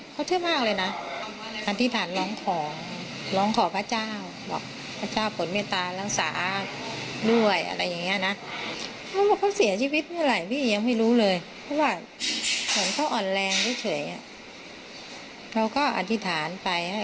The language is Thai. เขาอ่อนแรงเดี๋ยวเฉยเขาก็อธิษฐานไป